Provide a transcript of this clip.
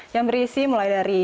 yang berisi mulai dari